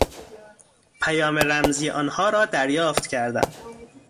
پیام رمزی آنها را دریافت کردم.